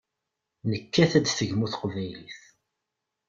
Nekkat ad tegmu teqbaylit.